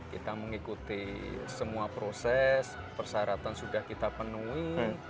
kita mengikuti semua proses persyaratan sudah kita penuhi